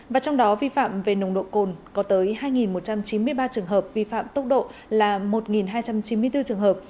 và trong đó vi phạm về nồng độ cồn có tới hai một trăm chín mươi ba trường hợp vi phạm tốc độ là một hai trăm chín mươi bốn trường hợp